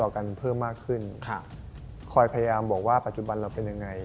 คอยพยายามบอกว่าปัจจุบันเราเป็นยังไง